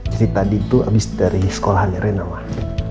jadi tadi tuh abis dari sekolahnya rena mah